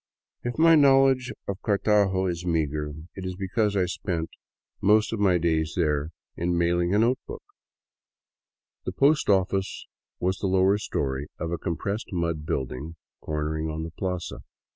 If my knowledge of Cartago is meager, it is because I spent most 66 ALONG THE CAUCA VALLEY of my days there in mailing a notebook. The post office was the lower story of a compressed mud building cornering on the plaza.